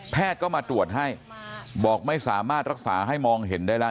ก็มาตรวจให้บอกไม่สามารถรักษาให้มองเห็นได้แล้ว